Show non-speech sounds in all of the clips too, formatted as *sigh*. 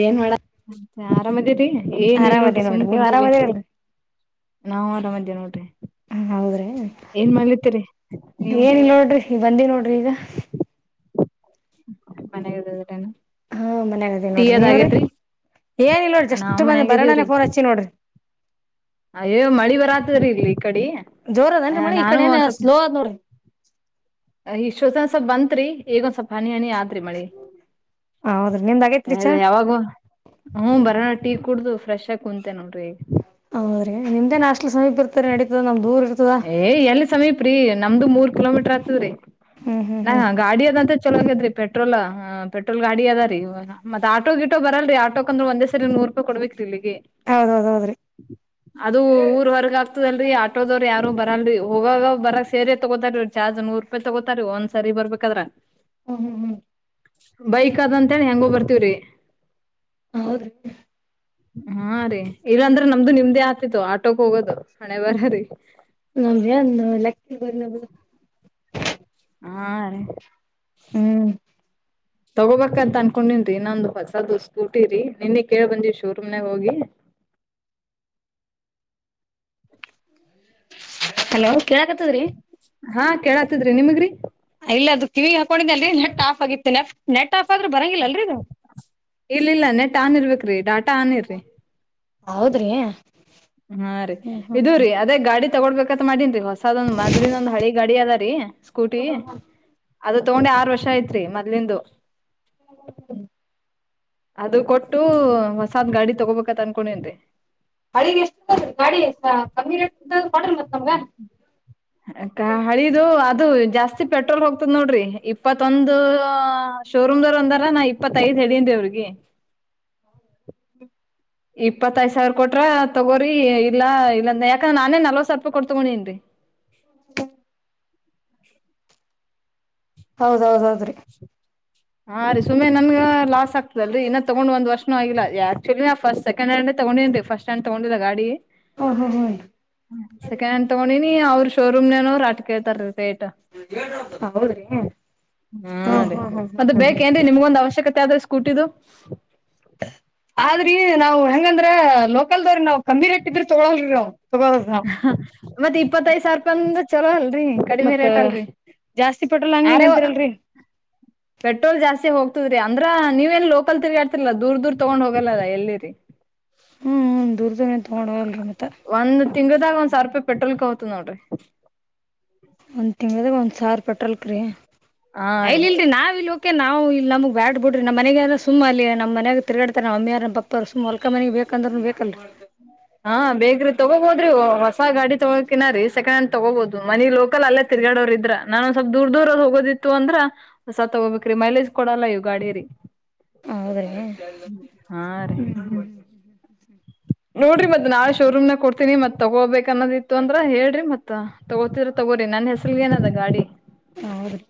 ಏನ್ ಮಾಡ ರಾಮಗಿರಿ ಏನಿಲ್ ಆರಾಮದಿ ನೋಡ್ರಿ ಸುಮ್ಮ ನೀವ್ ಕುಂತಿ ಆರಾಮದಿರಲ್ರಿ ನಾವು ಅರ ಮಧ್ಯೆ ನೋಡ್ರಿ ಹ ಹೌದ್ರಿ ಏನ್ ಮಾಡ್ಲತಿರಿ ನೀವು ಏನು ಇಲ್ಲನೋಡ್ರಿ ಬಂದಿ ನೋಡ್ರಿ ಈಗ ಮನೆಗೆ ಅದೇರಿ ಮನೆಗದೇವಿ ನೋಡ್ರಿ ನೀವು ರೀ ಏನಿಲ್ಲ ನೋಡ್ರಿ ನಾವ್ ಜಸ್ಟ್ ಬರಣ ಮನ್ಯಾಗಿದೀವ್ರಿ ಫೋನ್ ಹಚ್ಚುವೆ ಅಯ್ಯೋ ಮಳಿ ಬರಾತದರಿ ಇಲ್ಲಿ ಈ ಕಡೆ ಜೋರ ಅದೇನ್ರಿ ಮಳಿ ಈ ಕಡ ಏನ ಸ್ಲೋ ಅ ಆದ ನೋಡ್ರಿ ಟಾಟಾನ ಸ್ವಲ್ ಬಂತತ್ರಿಗಂದ ಸ್ವಪ ಹನಿ ಹನಿ ಆತ್ರಿ ಮಿ ಹೌದ್ರಿ ನಿಮ್ದ್ ಆಗೇತ್ರಿ ಚಾ ಯಾವಾಗ ಹ್ಮ ಬರೋಣ ಟೀ ಕುಡ್ದ ಫ್ರೆಶ್ ಆಗಿ ಕುಂತೇನಿ ನೋಡ್ರಿ ಹೌದ್ರೀ ನಿಮ್ದೇ ನಾಷ್ಟಟ್ಲ ಸಮೀಪ್ ಇರ್ತ ನಡೀತದ ನಮ್ದು ದೂರ ಇರ್ತದ ಏ ಎಲ್ಲಿ ಸಮೀಪ ರೀ ನಮ್ದು ಮೂರ್ ಕಿಲೋಮೀಟರ್ ಆತದ್ರೀ ಹ್ಮ್ ಹ್ಮ್ ನಾ ಹ್ಮ್ ಗಾಡಿಯದಂತ, ಚಲಾಕತ್ರಿ ಪೆಟ್ರೋಲ್ ಗಾಡಿ ಇದೇ ರೀ ಆಟ ಆಟ ವರ್ಲ್ಡ್ರಿ ಮತ್ತೆ ಆಟೋ ಕಂದರು ಒಂದೇ ಸರಿ ನೋಡ್ಕೋ ಕೊಡಬೇಕ್ರಿ ಹೌದೌದೌದ್ರಿ ಅದು ಊರುಹೊರಗೆ ಕತ್ತಲ್ರಿ ಆಟೋದವರು ಯಾರು ಬರಲ್ರಿ ಹೋಗಾಗ ಬರ ಸೇರಿ ತಗೋತಾರಿ ಚಾರ್ಜ ನೂ ರೂಪಾಯಿ ತಗೋತಾರೀ ಒಂದ್ ಸರಿ ಬರ್ಬೇಕಾದ್ರ, *unintelligible* ಹ ಹ ಹ ಬೈಕ್ ಅಂತ ಹೇಳಿ ಹೆಂಗ ಬರ್ತೀವ್ರಿ ಹೌದು ಹಾ ರೀ ಇಲ್ಲಾಂದ್ರೆ ನಮ್ದು ನಿಮ್ದೇ ಆತಿತ್ತು ಆಟೋಕ್ ಹೋಗೋದು ಹಣೆ ಬರಹ, ನಾವ್ಯಾನ್ ಲೆಕ್ಕ ಬ *inaudible* ಹಾ ರೀ ಹ್ಮ್ ತಗೋ ಬೇಕೇನ್ ಅನ್ಕೊಂಡಿರಿ ಹೊಸಕೋಟೆ ನಿನ್ನೆ ಕೇಳಿಕೊಂಡು ಶೋರೂಮ್ ಹಲೋ ಕೇಳಾಕತ್ತದ್ರಿ ಹಾ ಕೆಳಕತ್ತಿದ್ರೆ ನಿಮಗ್ರಿ ಇಲ್ಲ ಕಿವಿಗ್ ಹಾಕೊಂಡಿದ್ನಲ್ರಿ ನೆಟ್ ಆಫ್ ಆಗಿತ್ರೀ ನೆಟ್ ಆಫ್ ಆದ್ರೂ ಬರಂಗಿಲ್ಲ ಅಲ್ರೀದು ಇಲ್ಲ ಇಲ್ಲ ನೆಟ್ ಆನ್ ಇರ್ಬೇಕ್ರಿ ಡಾಟಾ ಆನ್ ಇರ್ರಿ ಹೌದ್ರಿ ಹಾ ರರಿ ಹ್ಮ್ ಹ್ಮ್ ಇದು ರಿಂಗ್ ಗಾಡಿ ತಾನು ಬೇಕಂತ ಮಾಡಿನ್ರಿ ಹೊಸ ಅದೊಂದ್ ಮದ್ಲಿನೊಂದ್ ಹಳಿ ಗಾಡಿ ಅದಾರಿ ಸ್ಕೂಟಿ ಅದು ತಗೊಂಡೆ ಆರ್ ವರ್ಷ ಐತ್ರಿ ಮೊಲಿಂದು ಹ *inaudible* ಅದು ಕೊಟ್ಟು ಹೊಸ ಗಾಡಿ ತಗೊಂಡೆ ಅನ್ಕೊಂಡೆ ಗಾಡಿಎಷ್ಟು ಗಾಡಿ ಎ ಕಮ್ಮಿ ರೇಟ್ ಕೊಡ್ರಿ ಮತ್ತಮ ಅಕ್ಕ ಹಳಿದು ಅದು ಜಾಸ್ತಿ ಪೆಟ್ರೋಲ್ ಹೋಗ್ತದ ನೋಡ್ರಿ ಇಪ್ಪತ್ತೊಂದು ಸೌರೊಂದರ ಅಂದರೆ ಅವರಿಗೆ ರಲ್ಲಿ ಹ್ಮ *inaudible* ಇಪ್ಪತ್ತೈದ್ ಸಾವಿರ ಕೊಟ್ರ ತಗೋರಿಿ ಇಲ್ಲ ಇಲ್ಲಾ ಯಾಕಂದ್ರೆ ನಾನೇ ನಲ್ವತ್ ಸಾವಿರ ರೂಪಿ ಕೊ ತಗೊಂಡ ನ್ರಿ ಹ *inaudible* ಹೌದ ಹೌದೌದ್ರಿ *inaudible* ಹಾ ರೀ ಸುಮ್ಮನೆ ನನ್ ಲಾಸ್ ಆಗ್ತದಲ್ರಿ ಇನ್ನ ತಗೊಂಡ ಒಂದ್ ವರ್ಷನು ಆಗಿಲ್ಲ ಆಕ್ಚುಲಿನ ಫಸ್ಟ್ ಸೆಂಡ್ ಹ್ಯಾಂಡ ತಗೊಂಡಿ ಸ್ಟ್ ಹ್ಯಾಂಡ್ ತಗೊಂಡಿಲ್ಲ ಗಾಡಿ ಹ ಹ ಹ್ಮ ಸೆಕೆಂಡ್ ಹಂಡ್ ತಗೊಂಡಿನಿ ಅವ್ರ ಶೋರೂಮ್ ನನೋ್ ಆಟ್ ಕೇತಾರ ರೀ ರೇಟ್, ಹೌದ್ರಿ ಹಾ ಹ್ಮ್ ರೀ ಹ್ಮ್ ಹ್ಮ್ ಮತ್ತ ಹ್ಮ್ ಹ್ಮ್ ಬೇಕೇಏನ್ ನಿಮ್ಗೊಂದ್ ಅವಶ್ಯಕತೆ ಆದ್ರೆ ಸ್ಕೂಟಿದು ಆದ್ರಿ ನಾವ್ ಹೆಂಗಂದ್ರ ಲೋಕಲ್ದವ್ರಿ ನಾವ್ ಕಮ್ಮಿ ರೇಟ್ ಇದ್ರ ತೊಗೊಲ್ ನಾವವು ಮತ್ತತ್ ಇಪ್ಪತ್ತಐದ ಸಾವರ ರೂಪಾಯಿ ಅಂದ್ರ ಚೊಲೋ ಅಲ್ರರಿ ಕಡಿಮೆ ಮತ್ತ ರೇಟ್ ಅಲ್ರರಿ ಜಾಸ್ತಿ ಪಟ್ರೋಲ್ ಹಂಗ ಯಾರೇ ಅಂತಿರಲ್ರರಿ ಪೆಟ್ರೋಲ್ ಜಾಸ್ತಿ ಹೋಗ್ತದ್ರೀ ಅಂದ್ರ ನೀವ ಏನ್ ಲೋಕಲ್ ತಿಗಾಡ್ತಿರಲ್ಲ ದೂರ್ ದೂರ್ ತಗೊಂಡ್ ಹೋಗಲ್ಲ ಎಲ್ಲಿರಿ *inaudible* ಹ್ಮ್ ದೂರ್ದ ಎಂತ ನೋಡುವವಲ್ರಿೀ ಮತ್ತ ಒಂದ್ಂಗ್ ಗ ಒಂದ್ ಸಾವಿ ರೂಪಾಯಿ ಪೆಟ್ರೋಲ್ಕ್ ಹ್ತು ನೋಡ್ರಿ ಒಂದ್ ತಿಂಗದಾಗ ಒಂದ್ ಸಾವಿ ರೂಪಿಟ್ರಲ್ಕ್ ಹಾ ಇಲ್ ರೀ ಇಲ್ರರಿ ನಾವ್ ಇಲ್ ನಾವುಲ್ಲಿ ನಮಗ್ ಬ್ಯಾಡ್ ಬಿಡ್ರಿ ನ ಮನಗೆಾರ ಸು ಅ ನ ಮನ್ ಗ ತಿಗಾಡ್ತ ನಮ್ಮಿಯಾರನ್ನ ಪ ಪರ್ಸು ಮೊಲ್ಕ ಮನೆಗೆ ಬೇಕಂದ್ರೂನು ಬೇಕಲ್ರೀ ಹಾ ಬೇ್ರಿ ತಗೋಬೋದ್ರಿ ಹೊಸ ಗಾಡಿ ತಗೋಕಿನ ರೀ ಸೆಕಂಡ್ ಹ್ಯಾಂಡ್ ತಗೋಬಹದು ಮನಿ ಲೋಕಲ್ ಅಲ್ಲೇ ತಿರ್ಗಡವ್ರ ಇದ್ರ ನಾನು ಸ್ವಲ್ಪ್ ದೂರ್ ದೂರದ ಹೋಗೋದಿತ್ತು ಅಂದ್ರ ಸತ್ತ ಹೋಗ್ಬೇಕಕ್ ಮೈಲೇಜ್ ಕೊಡ ಅಲ್ಲಾ ಇವು ಗಾಡಿಯರಿ ಹೌದ್ರ ಹ್ಮ್ ಹಾ ರೀ ಹ್ಮ ನೋಡ್ರಿ ಮತ್ತತ್ ನಾಳೆ ಶೋರೂಮ್ ನಾಗ ಕೊಡ್ತೀನಿ ಮತ್ ತಗೋಬೇಕಕ್ ಅನ್ನೋದಿತ್ತು ಅಂದ್ರ ಹೇಳ್ರಿ ಮತ್ ತಗೋತಿದರ ತಗೋರಿ ನನ್ ಹೆಸರ್ಗ ಏನದ ಗಾಡಿ ಹೌದ್ರೀ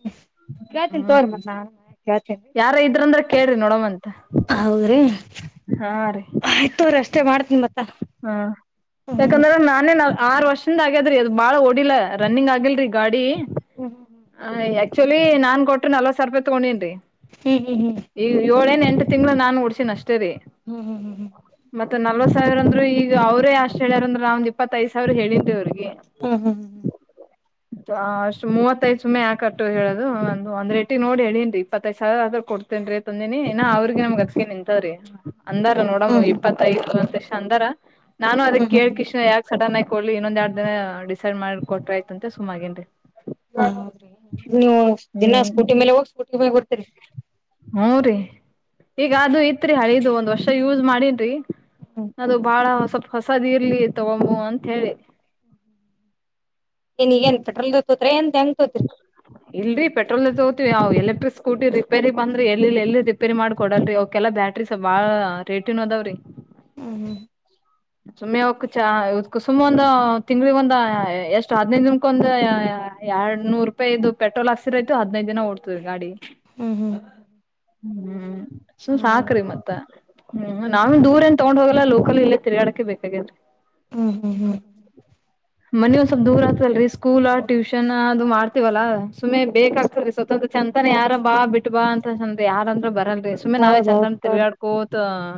ಕ್ಯಾಳ್ತೀನಿ ತೋರ್ ಹ್ಮ್ ಮತ್ ನ ಕಳ್ತೀನಿ ಯಾರ ಇದ್ರಂದ್ರ ಕೇಳ್ರಿ ನೋಡಮಂತ ಹೌದ್ರಿ ಹಾ ರೀ ಆಯ್ತ್ ತೋರಿ ಅಷ್ಟೇ ಮಾಡ್ತೀನಿ ಮತ್ತ ಹಾ ಹ್ಮ್ ಯಾಕಂದ್ರ ನಾನೇ ನಾವ ಆರ್ ವರ್ಷದಿಂದ ಆಗ್ಯದ್ರೀ ಅದು ಬಾಳ್ ಓಡಿಲ್ಲ ರನ್ನಿಂಗ್ ಆಗಿಲ್ರಿ ಗಾಡಿ ಹ್ಮ್ ಯ ಚೊಲಿ ನಾನ್ ಕೊಟ್ರರಿ ನಲ್ವತ್ ಸಾವಿ ರೂಪಾಯಿ ತಗೊಂಡೇನ್ ಹ್ಮ್ ಹ್ಮ್ ಹ್ಮ್ ಈಗ ಏಳೇನ್ ಎಂಟು ತಿಂಗಗಳುಳ ನಾನು ಡ್ಸಿನನ್ ಅಷ್ಟೇ ರರಿ ಹ್ಮ್ ಹ್ಮ ಹ್ಮ್ ಹ್ಮ್ ಮತ್ತತ್ ನಲ್ವತ್ ಸಾವಿರ ಅಂದ್ರರು ಈಗ ಅವ್ರೇ ಅಷ್ಟ್ ಹೇಳ್ಯಾರಂದ್ರ ನಾವ್ ಇಪ್ಪತ್ತತ್ ದ ಸಾವಿರ ಹೇಳಿದ್ರಿ ಅವ್ರಿಗೆ ಹಾ ಹಾ ಹಾ *inaudible* ಅಷ್ಟ್ ಮೂವತ್ತೈದು ಸು್ನೆ ಯಾಕಟ್ಟು ಹೇಳೋದು ಒಂದ ಒಂದ್ ಟ್ಟಟಿ ನೋಡಿ ಹೇಳೇನ್ರಿ ಇಪ್ಪತ್ತೈದ್ ಸಾವಿರ ಆದ್ರೂ ಕೊಡ್ತ ನ್ ತಂದಿನಿ ನಾ ಅವ್ರಿಗೆ ನಮ್ ಅತ್ ರೀ ಅಂದಾರ ನೋಡಮ್ಮ ಹ್ಮ್ ಇಪ್ಪತ್ತಐದು ಲಕ್ಷ ಅಂದಾರ ನಾನು ಅದನ್ನ ಹ್ಮ್ ಹ್ಮ್ ಹ್ಮ್ ಕೇಳಿಕೇಸಿಂದ ಯಾಕ ಸಡನ್ ಆಗಿ ಕೊಡ್ಲಿ ಇನ್ನೊಂದ್ ಎರಡ್ ದಿನ ಡಿಸೈಡ್ ಮಾಡಿ ಕೊಟ್ರ ಆಯತಂತೆ ಸುಮ್ಮಗೇನ್ರಿ ಹೌದ್ರಿ ನೀವು ದಿನ ಸ್ಕೂಟಿ ಮೇಲೆ ಹೋಗಿ ಸ್ಕೂಟಿ ಮೇಲೆ ಬರ್ತೀರಿ ಹೂ ರಿ ಈಗ ಅದು ಇತ್ರಿ ಹಳಿದು ಒಂದ್ ವರ್ಷ ಯೂಸ್ ಮಾಡಿನ್ರಿ ಹ್ಮ್ ಅದು ಬಾಳ ಹೊಸ ಹೊಸದ ಇರ್ಲಿ ತಗೊಮು ಅಂತ ಹೇಳಿ *inaudible* ಏನ್ ಈಗೇನ್ ಪೆಟ್ರೋಲ್ ದೇ ತೊಗೋತಿರಾ ಏನ್ ಟ್ಯಾಂಕ ತೊಗೋತಿರಿ *inaudible* ಇಲ್ರಿ ಪೆಟ್ರೋಲ್ ದೆ ತಗೋತಿವಿ ಅವು ಎಲೆಕ್ಟ್ರಿಕ್ ಸ್ಕೂಟಿ ರಿಪೇರಿ ಬಂದ್ವು ಅಂದ್ರ ಎಲ್ಲಿ ಎಲ್ಲಿ ರಿಪೇರಿ ಮಾಡಿ ಕೊಡ್ತರ ರೀ ಅವ್ ಕೆಲ್ಲಾ ಬ್ಯಾಟರಿ... ರಿ ಸ್ವಲ್ಪ ಬಾಳ ರೇಟನುವು ಅದಾವ್ರಿ ಹ್ಮ್ ಹ್ಮ ಸುಮ್ಮನೆ ಅವುಕ್ ಚ ಇದ್ಕ್ ಸುಮ್ ಒಂದು ತಿಂಗಳಿಗೆ ಒಂದ ಎಷ್ಟ್ ಹದ್ನೈದು ದಿನಕ ಒಂದು ಎರಡ್ ನೂರು ರೂಪಾಯಿ ಇದು ಪೆಟ್ರೋಲ್ ಹಾಕಸಿದರಾಯತು ಹದಿನೈದು ದಿನ ಒಡ್ತದೆ ಗಾಡಿ. ಹ್ಮ್ ಹ್ಮ್. ಹ್ಮ್ ಸು ಹ್ಮ್ ಸಾಕ್ರಿ ಮತ್ತ ಹ್ಮ್ ನಾನ ದೂರ ಎನ್. ತಗೊಂಡ್ ಹೋಗಲ್ಲ ಲೋಕಲ್ ಇಲ್ಲ ತಿರಗ್ಯಡಕ್ ಬೇಕ ಆಗೆದ. ಹ್ಮ್ ಹ್ಮ್ ಹ್ಮ್. ಮನೀ ಒಂದ ಸ್ವಪ ದೂರ ಆತ್ವಲ್ರರಿ ಸ್ಕೂಲ್ ಟ್ಯೂಷನ್ ಅದು ಮಾಡ್ತ. ಹೊಗ್ತಿವಲ್ಲ ಸುಮ್ಮ್ನೆ ಬೇಕಾಗ್ತದ ರೀ ಸ್ವತಂತ್ರ ಚಂತಾನ ಯಾರ ಬಾ ಬಿಟ್ಟು ಬಾ ಅಂತ ಅಂದ್ರ ಯಾರಂದ್ರ ಬರಲ್ಲ ರೀ. ಸುಮ್ನೆ ನಾವೇ ಹೌದೌದು ಚಂತಾನ ತೋರಿ ತಿರ್ಗಾಡ್ಕೋತ್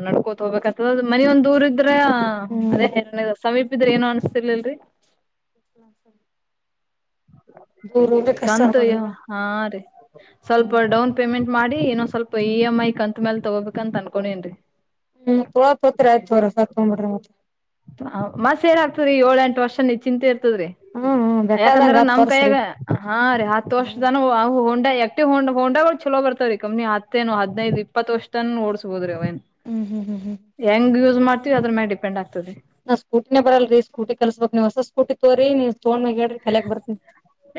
ನಡ್ಕೋತ ಹೋಗಬೇಕತದ ಮನೀ ಒಂದ್ ದೂರ ಇದ್ದ್. ಹ್ಮ್ ಅದೇ ಸಮೀಪ ಇದ್ರೆ ಏನು ಅನ್ಸತಿರಲಿಲ್ಲರಿ. *inaudible* ದೂರ ಹೋಗ್ಲಿಕ್ ಕಷ್ಟ ಕಂತು ನೋಡ್ರಿ ಯ್ಯ ಈಗ ಹಾ ರೀ ಸ್ವಲ್ಪ ಹ್ಮ್ ಡೌನ್ ಪೇಮೆಂಟ್. ಪೇಮೆಂಟ್ ಮಾಡಿ ಇನ್ನೊ ಸ್ವಲ್ಪ ಇ ಎಂ ಐ ಕಂತ ಮೇಲೆ ತಗೋಬೇಕ ಅಂತ ಅನ್ಕೊಂಡೇನ್ರಿ. ಹ್ಮ್ ತೋಳದು ತೊಗೋತಿರಿ ಆಯಿತ್ ತೊಗೊರಿ ಹೊಸದ ತೊಗೊಂಡಬಿಡ್ರಿ ಮತ್ತ. ಹ ಮತ್ತ್ ಸೆರ್ವಿ ಆಗ್ತದರಿ ಏಳ ಎಂಟು ವರ್ಷ ನಿಚಿಂತೆ ಇರ್ತದ್ರರಿ. ಹ್ಮ್ ಬೇಕಾದಂಗ ಹತ್ತು ವರ್ಷ ರೀ. ಹಾ ರೀ ಹತ್ತು ವರ್ಷತನ ಹೋಂಡಾ ಎಕ್ಟಿವ್ ಹೊಂಡಾಗಳ ಚಲೋ ಬರ್ತವೀ ರಿ ಕಂಪನಿ ಅಂದ್ರ ಹತ್ತೇನು ಹದಿನೈದು. ಇಪ್ಪತ್ ವರ್ಷ್ ತನ ಓಡ್ಸ್ಬೋದ್ರಿ ಅವನ್. ಹ್ಮ್ ಹ್ಮ್ ಹ್ಮ್ ಹ್ಮ್. ಹೆಂಗ್ ಯೂಸ್ ಮಾಡ್ತತಿವಿ ಅದ್ರ ಮೇಲೆ ಡಿಪೆಂಡ್ ಆಗ್ತದೆ. ನನಗ ಸ್ಕೂಟಿನೇ ಬರಲ್ಲಲ್ರಿ ಸ್ಕೂಟಿ ಕಲ್ಸಬೆಕ್ ನೀವು ಹೊಸ ಸ್ಕೂಟಿ ತೊಗೊರಿ ನೀವು ತೊಗೊಂಡು ಮ್ಯಾಲ ಹೇಳ್ರಿ ಕಲ್ಯಾಕ್ ಬರ್ತೀನಿ.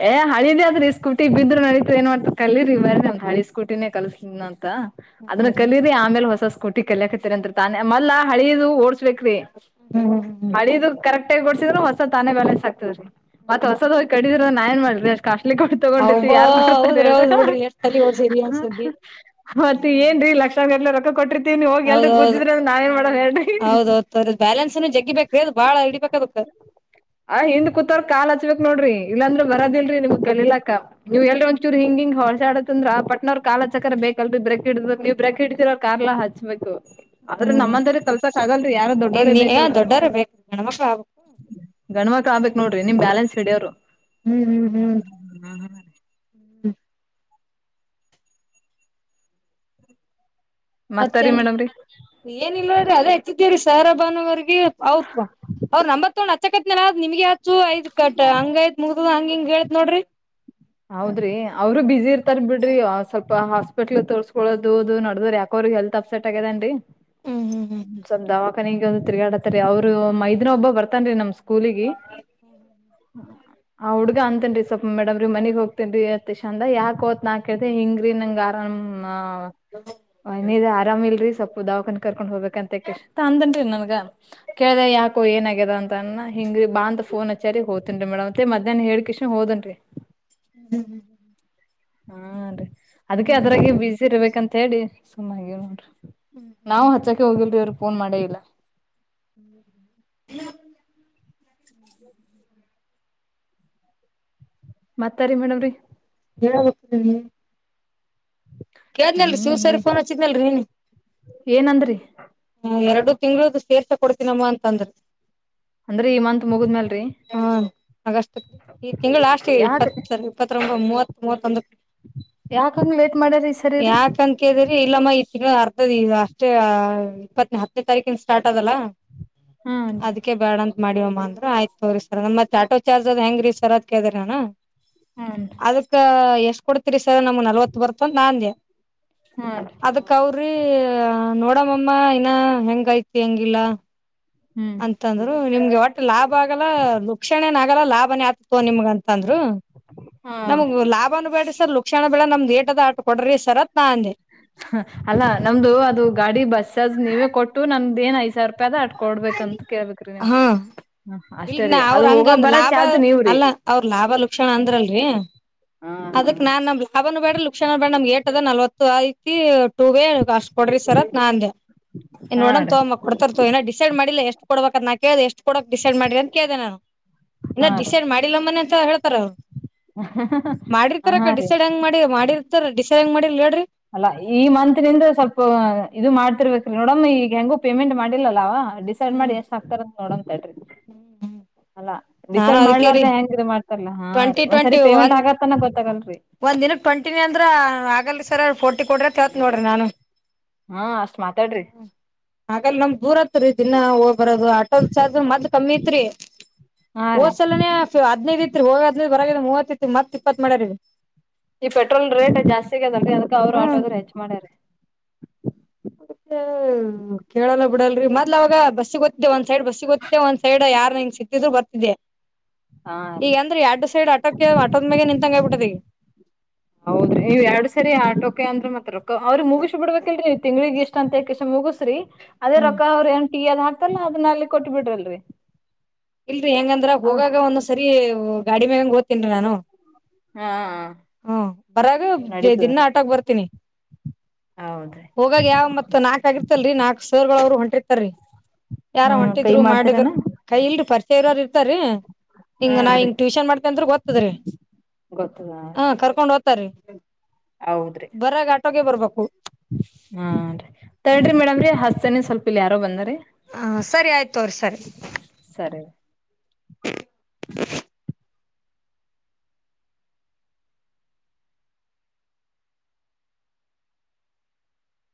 ಏ ಹಳಿದ್ಯಾ ಆದ್ರೀ ಸ್ಕೂಟಿ ಬಿದ್ರ ನಡಿತದ್ ಏನ್ ಮಾಡ್ತದ ಕಲಿರಿ ಬರಿ ನಮ್ ಹಳಿ ಸ್ಕೂಟಿ.. ಸ್ಕೂಟಿನೇ ಕಲಸ್ತೆನಿ ಅಂತ ಅದನ್ನ ಹೌದ್ರಿ ಕಲೀರಿ ಆಮೇಲೆ ಹೊಸ. ಸ್ಕೂಟಿ ಕಲ್ಯಕತ್ತರಿ ಅಂತ ತಾನೆ ಮದ್ಲ ಹಳಿಯದು ಓಡ್ಸ್ಬೇಕ್ರೀ ಹಳಿದ ಕರೆಕ್ಟ್. ಟ್ಟೆ ಕೊಡಸಿದ್ರರು ಹೊಸ ತಾನೇ ಬಾಲೆನ್ಸ್ ಆಗ್ತದೀ ಮತ್ ಹೊಸದ ಹೋಗಿಡಿದ್ರೆ ನಾ ಏನ್ ಮಾಡ್ರಿ ಅಷ್ಟ ಕಾಸ್ಟ್ಲಿ ಕೊ. ತೊಗೊಂಡಿತ್ತು ಮತ್ತ ಅವ್ಬಾ ಯಾರ್ ಕೊಡ್ತಾರೆ ಹೌದ್ರಿ ಹೇಳ ಹೌದ್ ಬಿಡ್ರಿ ಎಷ್ಟ್ ತಲಿ ಓಡ್ಸಿರಿ ಏನ್ ಸುದ್ದಿ. ಮತ್ತ ಹ್ಮ್ ಏನ ಹ್ಮ್ ರಿ ಲಕ್ಷ. ಎಲ್ಲ ರೊ ಕೊಟ್ಟರ್ತೀವಿ ನೀವು ಹೋಗ ಎಲ್ರರು ಗುದ್ದಿದ್ರೆ ಅ್ರ ನಾವ ಏನ್ ಮಾಡಣ ಹೇಳ್ರಿ. ಸದ ಬ್ಯಾಲೆನ್ಸ್ನು ಜಗ್ಗಿಬೇಕ ರಿ ಅದು ಬಾಳ ಹಿಡಿಬೇಕ ರಿ ಅದಕ್. ಆ ಹಿಂದ ಕೂತೋರ ಕಾಲ್ ಹಚ್ಬೇಕಕ್ ನೋಡ್ರಿ ಇಲ್ಲಾಂದ್ರೆ ಬರೋದಿಲ್ರಿ ನಿಮ್ ಕಲ್ಯಕ್. ಹೂ ಎಲ್ರ ಒಂಚೂರು ಹಿಂಗ ಹಿಂಗ ಹೊಲಸಡತ್ತ ಅಂದ್ರ ಪಟ್ನವರ್ ಕಾಲ ಚಕ್ರ ಬೇಕಲ್ ರಿ ಬ್ರೇಕ್ ಹಿಡಿದ ನೀವ. ಬ್ರೇಕ್ ಹಿಡ್ತಿರ ಕಾರ್ಲ್ಲಾ ಹಚ್ಬೇಕು ಆದ್ರೆ ನಮ್ಮಂದ್ರ ಕಲ್ಸಕ್ ಆಗಲ್ರಿ ಯಾರ ಇನ್ ದೊಡ್ಡೋರೇ ಬೇಕ ಏ ಅದಕ. *unintelligible* ಗಂಡ ಮಕ್ಳ ಆಗ್ಬೇಕಕ್ ನೋಡ್ರಿ ನಿಮ್ ಬ್ಯಾಲೆನ್ಸ್ ಹಿಡಿಯವ್ರು. ಹ್ಮ್ ಹ್ಮ್ ಹ್ಮ್. ಮತ್ತಾರಿ ಮೇಡಮ್ರರಿ. ಏನ ಇಲ್ಲ ನೋಡ್ರಿ ಅದೇ ಹಚ್ಚಿದ್ವಿ ರಿ ಸರ್ ಬಾನವರ್ಗ ಅವಪ್ಪ. ಅವ್ರ್ ನಂಬತ್ ತೊಂಡ್ ಅಚ್ಚಕತ್ನ್ ನಿಮ್ಗೆ ಆಚ್ಚು ಐ್ತ ಕಟ್ಟ ಹಂಗ ಐತ್ ಮುಗದ ಹಂಗ ಹಿಂಗ ಹೇಳೇತ್ ನೋಡ್ರಿ. ಹೌದ್ರಿ ಅವರು ಬ್ಯುಸಿ ಇರ್ತ. ಇರ್ತಾ ಬಿಡ್ರಿ ಸ್ವಲ್ಪ ಹಾಸ್ಪಿಟಲ್ ತೋರ್ಸ್ಕೊದು ನಡದ್ರ ಯಾಕ ಅವ್ರ ಹೆಲ್ತ್ ಅಪ್ಸೆಟ್ ಆಗೇದೇನ್ರಿ. ಹ್ಮ್ ಹ್ಮ್ ಹ್ಮ್ ಸ್ವಪ ದವಖಾನಿ ಒಂದು ತಿರ್ಗಾಡತಾರಿ ಅವ್ರು ಮೈದಿನ ಒಬ್ಬ ಬರ್ತನ್ರಿ ನಮ್. ಕೂಲಿಗ ಆ ಹುಡ್ಗ ಅಂತೇನ್ ರಿ ಸ್ವಲ್ಪ ಮೇಡಮ್ರೀ ಮನಗ್ ಹೋಗ್ತೇನ್ ರಿ. ಚಂದ ಯಾಕೋ ಅಂತ ನಾ ಕೇಳ್ದ ಹಿಂಗ್ರಿ ನಂಗ ಆರಾಮ್. ನೀ ಆರಾಮ ಇಲ್ರಿ ಸ್ವಲ್ಪ ದಾವಖನಿಗ ಕರ್ಕೊಂಡ್ ಹೋಗ್ಬೇಕು. ಅಂದಂಗ ನನ್ಗ ಕೇಳ್ದ ಯಾಕೋ ಏನ ಆಗ್ಯದ ಅಂತ. ಹಿಂಗಿ ರಿ ಬಾ ಅ ಫೋನ್ ಹಾರಿ ಹೋತೇನ್ ರ ಮೇಡ್ ಮತ್ತ ಮಧ್ಯಾಹ್ನ ಹೆಲಿಸ್ಕ್ಯಾನ್ ಹೋದೇನ್ರಿ. ಹ್ಮ್ ಹ್ಮ್ ಹ್ಮ್ ಹ್ಮ್. ಹಾ ರೀ ಅದಕ್ಕೆ ಅದ್ರಾಗ ಬಿಸಿ ಇರ್ಬೇಕಂತ ಹೇಳಿ ಸುಮ್ಮಾನಾಗಿವ ನೋಡ್ರಿ. ನಾವು ಹಚ್ಚಾಕೆ ಹೋಗಿಲ್ರಿ ಅವ್ರು ಪೋನ್ ಮಾಡೇ ಇಲ್ಲ. ಹ್ಮ್ ಮತ್ತಾರಿ ಮೇಡಮ್ ರೀ ಏಳ್ ಹೋಗ್ತಿವಿ. ಕೇಳ್ನಲ್ರಿ ಶಿವ ಹ್ಮ್ ಏ ಸರಿಗ್ ಫೋನ್ ಹಚ್ಚಿದ್ನಲ್ರರಿ ನೆನ್ನೀ. ಏನಂದ್ರಿ ಹ ಎರಡು ತಿಂಗಳ್ದು ಸೇರ್ಸಾ ಕೊಡ್ತೀನಮ್ಮ ಅಂತ ಅಂದ್ರು. ಅಂದ್ರೆ ಈ ಮಂತ್ ಮುಗಿದ್ಮೇಲ್ರಿ. ಹಾ ಆಗಸ್ಟು ಈ ತಿಂಗಳು ಲಾಸ್ಟಿಗೆ ಯಾಕ ಇಪ್ಪತ್ ಎರಡು. ಇಪ್ಪತ್ತು ಮೂವತ್ ಮೂವತ್ತೊಂದು. ಯಾಕಂಗ ಲೇಟ್ ಮಾಡರಿ ಈ ಸ ಯಾಕಂತ ಕೇಳಿದ್ರಿ ಇಲ್ಲಮ್ಮ ಈ ತಿಂಗಳ ಅರ್ತದಿ ಇದು ಅಷ್ಟೇ ಅ ಇಪ್ಪತ್ ನಾಕನೇ ತಾರೀಕಿಂದ ಸ್ಟಾರ್ಟ್ ಆದಲ್ಲ ಹೂನ್ರಿ ಅದಕ್ ಅಕೆ ಬೇಡ ಅಂತ ಮಾಡಿವಮ್ಮ ಅಂದ್ರು ಆಯ್ತು ತೋರಿ ಸರ್ ಆಟೋ ಚಾರ್ಜು ಅದ ಹೆಂಗ್ರೀ ಸರ್ರ ಅಂತ ಕೇಳದೆ ನಾನು. ಹ್ಞೂ ಅದಕ್ಕ ಎಷ್ಟ್ ಕೊಡ್ತಿರಿ ಸರ್ ನಮ್ಮ ನಲ್ವತ್ತು ಬರ್ತ ಅಂತ ನಾ ಅಂದೆ. ಹಾ ಅದಕ್ ಅವ್ರೀ ನೋಡಮ್ಮಮ್ಮ ಇನ್ನ ಹೆಂಗೈತಿ ಹೆಂಗಿಲ್ಲ. ಹ್ಮ್ ಅಂತಂದ್ರು ನಿಮ್ಗೆ ಒಟ್ಟು ಲಾಭ ಆಗಲ್ಲ ಲುಕ್ಷಣೆ ಏನ ಆಗಲ್ಲ ಲಾಭನೇ ಆತ ತಗೋ ನಿಮ್ಗ ಅಂತಂದ್ರು. ಹಾರಿ. ನಮ್ಗು ಲಾಭನು ಬೇಡ ಸರ್ ಲುಕ್ಷಣ ಬೇಡ ನಮ್ದ್ ಏಟದ ಆಟು ಕೊಡ್ರಿ ಸರ್ ಅಂತ ನಾ ಅಂದೆ. ಹ ಅಲ್ಲಾ ನಮ್ದು ಅದು ಗಾಡಿ ಬಸಸ್ ನೀವೇ ಕೊಟ್ಟು ನಮ್ದು ಏನ್ ಐದು ಸಾವಿರ್ ಪದ ಅಟ್ಕೊಡ್ಬೇಕಂತ ಕೇಳ್ಬೇಕ್ರಿ ನೀವು ಹಾ ಇಲ್ ಅಷ್ಟೇ ನಾ ರೀ ಅವ್ರ ಅದು ಹೋಗೋ ಹಂಗಂದ್ ಬರ ಲಾಭ ಚಾರ್ಜ ನೀವು ರೀ. ಅಲ್ಲ ಅವ್ರ ಲಾಭ ಲಕ್ಷಣ ಅಂದ್ರಲ್ರೀ. ಹಾ ಹಾ ಹಬನ್ ಬೇಡ್ರ ಲುಕ್ಷಣ ಬೇಡ ನಮ್ ಏಟ್ ಅದ ನಲ್ವತ್ತು ಐತಿ ಟೂ ವೇ ಅಷ್ಟ್ ಕೊಡ್ರಿ ಸರ್ ಅಂತ ನಾಂದೆ. ಹಾ ನೋಡನ್ ರೀ ತೋಂಮ ಕೊಡ್ತರ್ *unintelligible* ಡಿಸೈಡ್ ಮಾಡಿಲ್ಲ ಎಷ್ಟು ಕೊಡ್ಬೇಕ ಅಂತ ನಾ ಕೇಳ್ದೇ ಎಷ್ಟು ಕೊಡಕ್ ಡಿಸೈಡ್ ಮಾಡಿ ಅಂತ ಕೇಳ್ದೆ ನಾನು ಇನ್ನ ಹಾ ರೀ. ಡಿಸೈಡ್ ಮಾಡಿ ಇಲ್ಲ ಮನೆ ಅಂತ ಹೇಳ್ತಾರ ಹಾ ಮಾಡಿರ್ತಾರಕ್ಕ ರೀ ಡಿಸೈಡ್ ಹಂಗ್ ಮಾಡಿ ಮಾಡಿರ್ *unintelligible* ಡಿಸೈಂಗ್ ಮಾಡಿಲ್ ಹೇಳ್ರಿ. ಅಲ್ಲ ಈ ಮಂತ್ ನಿಂದ ಸ್ವಲ್ಪ ಇದು ಮಾಡ್ತಿರ್ಬೇಕ್ರೀ ನೋಡಮ ಈಗ ಹೆಂಗು ಪೇಮೆಂಟ್ ಮಾಡಿಲ್ಲಲ್ಲವಾ. ಡಿಸೈಡ್ ಮಾಡಿ ಎಷ್ಟ್ ಆಕ್ತಾರಂತ ನೋಡನ ತಡೀರಿ. ಹ್ಮ್ ಅಲ್ಲಾ ನಾನು ಡಿಸೈಡ್ ಅದಕೇರಿ ಮಾಡ್ಲಾರ್ದೆ ಹೆಂಗ ಇದು ಮಾಡ್ತಾರಲ್ಲಾ ಹಾರೀ ಟ್ವೆಂಟಿ ಒಂದ್ ಸರಿ ಪೇಮೆಂಟ್ ಆಗತ್ತನ ಗೊತ್ತಾಗಲ್ರೀ. ಒಂದ ದಿನಕ್ಕೆ ಟ್ವೆಂಟಿನಿ ಅಂದ್ರ ಆಗಲ್ಲರೀ ಸರ್ ಫೋರ್ಟಿ ಕೊಡ್ರಿ ಅಂತ ಕೇಳ್ತೀತ್ ನೋಡ್ರೀ ನಾನು. ಹಾ ಅಷ್ಟ್ ಮಾತಾಡ್ರಿ ಹಾಗ ನಮ್ ದೂರ *unintelligible* ದಿನ ಹೋಗ್ ಬರೋದು ಆಟೋ ಚಾರ್ಜ್ ಮದ್ಲ್ ಕಮ್ಮಿ ಇತ್ರಿ ಹಾ ರೀ ಹೋದ್ಸಲನೇ. ಹದ್ನೈದ್ ಇತ್ರೀ ಹೋಗದ ಬರ ಮೂವತ್ ಇತ್ತು ಮತ್ ಇಪ್ಪತ್ ಮಾಡ್ಯಾರೀ. ಈ ಪೆಟ್ರೋಲ್ ರೇಟ್ ಜಾಸ್ತಿ ಆಗದಲ್ರೀ ಅದಕ್ ಅವರು ಹ್ಮ್ ಆಟೋದರು ಹೆಚ್ಚ್ ಮಾಡ್ಯಾರೆ. *unintelligible* ಕೇಳಲ್ಲ ಬಿಡಲ್ರೀ ಮೊಲವಾಗ ಬಸ್ ಗೊತ್ತಿದ್ದೆ ಒಂದ್ ಸೈಡ್ ಬಸ್ಸೀಗೋಗ್ ಮತ್ತೆ ಒಂದ್ ಸೈಡ್ ಯಾರಾರ ಹಿಂಗ್ ಸಿಕತ್ತಿದ್ರು ಬರ್ತಿದ್ದಿದೆ. *inaudible* ರೀ ಈಗ ಅಂದ್ರೆ ಎರಡ್ ಸೈಡ್ ಆಟೋಕ ಆಟೋದ್ ಮೇಗೆ ನಿಂತಂಗ್ ಆಗ್ಬಿಟೈತೆ ಈಗ. ಹೌದ್ರಿ ನೀವು ಎರಡು ಸರಿ ಆಟೋಕ ಅಂದ್ರ ಮಾತ್ತ ರೋಕ್ಕ ಅವ್ರು ಮುಗಸ್ ಬಿಡ್ಬೇಕಲ್ರಿ ತಿಂಗಳಿಗೆ ಇಷ್ಟ್ *unintelligible* ಎಷ್ಟ ಅಂತಷ್ಟ ಮುಗಸ್ರಿ ಅದೇ ರೊಕ್ಕ ಅವ್ರ ಏನ್ ಟಿ ಅದ ಹಾಕ್ತಲ್ಲ ಅದನ್ನ ಅಲ್ಲಿ ಕೊಟ್ಟ ಬಿಡ್ರಿಲ್ರಿ. ಇಲ್ರರೀ ಹೆಂಗಂದ್ರ ಹೋಗಾಗ ಒಂದ್ ಸರಿ ಗಾಡಿ ಮ್ಯಂಗಗೆ ವೊತೀನ್ರೀ ನಾನು. ಹಾ ಹ್ಮ ಬರಾಗ ದಿನ ಆಟಕ್ ಬರ್ತೀನಿ ಹೌದ್ರೀ ಹೋಗಾಗ ಯಾವ ಮತ್ ನಾಕಕ್ ಆಗರ್ತಲ್ರಿ ನಾಕಕ್ ಸರ್ಗಳು ಅವ್ರು ಹೊಂಟಿರ್ತ ರರಿ ಯಾರ ಹಾ ಕೈ ಹೊಂಟಿದ್ರು ಮಾಡಿದ್ ಮಾಡ್ತೀರನ ಕೈ ಇಲ್ರಿ ಪರಿಚಯ ಇರಾರ ಇರ್ತಾರೀ ಹಿಂಗ ಹಾ ನಾ ರೀ ಹಿಂಗ ಟ್ಯೂಷನ್ ಮಾಡ್ತೆ ಅಂದ ಓ್ತದ್ರಿ ಗೊತ್ತದ ಹ ಕರ್ಕೊಂಡ್ ಓದ್ತ್ರೀ ಹೌದ್ರಿ ಬರಾಗ ಆಟೋಗೆ ಬರ್ಬೇಕು ಹಾ ರೀ ತ್ರಿ ಮೇಡಮ್ರರಿ ಹಸ್ತನಿ ಸ್ವಲ್ಪ ಇಲ್ ಯಾರೋ ಬಂದರಿ ಹ ಸರಿ ಆಯ್ತು ಅವ್ರಿ ಸರಿ ಸರಿ *inaudible*